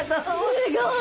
すごい。